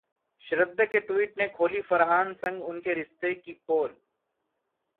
श्रद्धा के ट्वीट ने खोली फरहान संग उनके रिश्ते की पोल